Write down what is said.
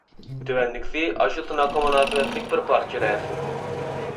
تۆۋەندىكىسى ئاشۇ سىناققا مۇناسىۋەتلىك بىر پارچە رەسىم.